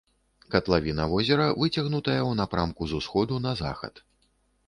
Катлавіна возера выцягнутая ў напрамку з усходу на захад.